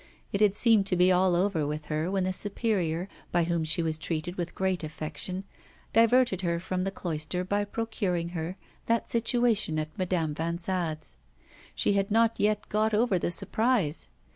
It had seemed to be all over with her, when the Superior, by whom she was treated with great affection, diverted her from the cloister by procuring her that situation at Madame Vanzade's. She had not yet got over the surprise.